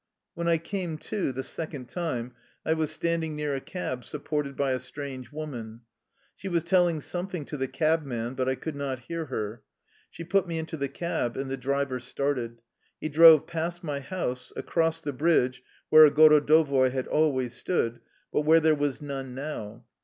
When I came to the second time I was stand ing near a cab, supported by a strange woman. She was telling something to the cabman, but I could not hear her. She put me into the cab, and the driver started. He drove past my house, across the bridge, where a gorodovoi had always stood, but where there was none now.